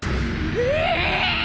ええ‼